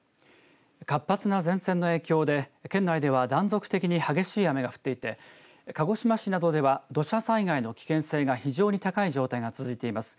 活発な前線の影響で県内では断続的に激しい雨が降っていて鹿児島市などでは土砂災害の危険性が非常に高い状態が続いています。